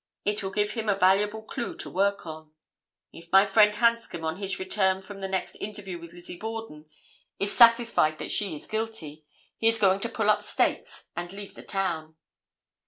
It will give him a valuable clue to work on. If my friend Hanscom, on his return from the next interview with Lizzie Borden, is satisfied that she is guilty, he is going to pull up stakes and leave the town.